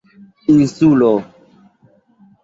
insulo